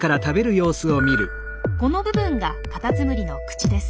この部分がカタツムリの口です。